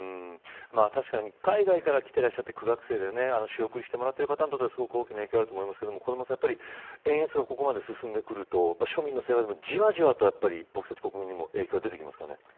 確かに、海外から来てらっしゃって、苦学生で仕送りしてもらっている方にとってはすごく大きな影響があると思いますが小玉さん円安がここまで進んでくると庶民の生活もじわじわと影響ができますかね。